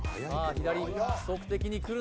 左規則的にくるのか？